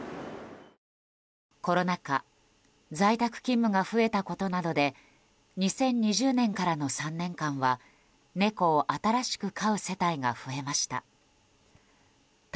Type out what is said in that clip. コロナ禍在宅勤務が増えたことなどで２０２０年からの３年間は猫を新しく飼う世帯が増えました。